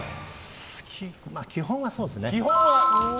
基本はそうですね。